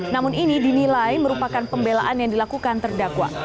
namun ini dinilai merupakan pembelaan yang dilakukan terdakwa